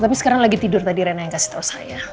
tapi sekarang lagi tidur tadi rena yang kasih tahu saya